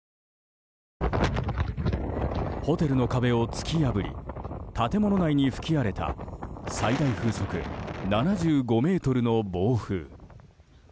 ホテルの壁を突き破り建物内に吹き荒れた最大風速７５メートルの暴風。